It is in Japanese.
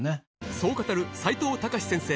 そう語る齋藤孝先生